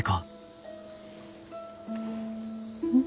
うん。